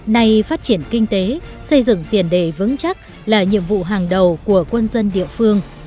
nay phát triển kinh tế xây dựng tiền đề vững chắc là nhiệm vụ hàng đầu của quân dân địa phương